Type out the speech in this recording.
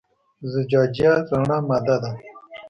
زجاجیه رڼه ماده ده.